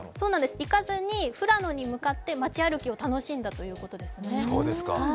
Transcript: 行かずに富良野に向かって街歩きを楽しんだということです。